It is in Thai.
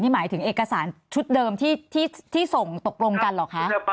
หมายถึงเอกสารชุดเดิมที่ส่งตกลงกันเหรอคะ